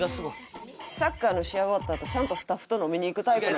サッカーの試合終わったあとちゃんとスタッフと飲みに行くタイプ。